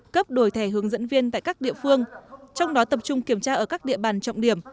cấp đổi thẻ hướng dẫn viên tại các địa phương trong đó tập trung kiểm tra ở các địa bàn trọng điểm